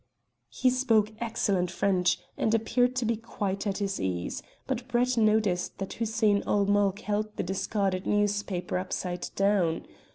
He spoke excellent French, and appeared to be quite at his ease, but Brett noticed that Hussein ul Mulk held the discarded newspaper upside down.